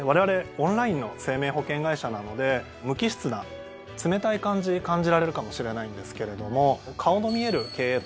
オンラインの生命保険会社なので無機質な冷たい感じに感じられるかもしれないんですけれども。